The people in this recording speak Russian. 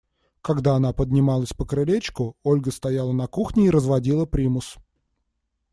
Когда она поднималась по крылечку, Ольга стояла на кухне и разводила примус.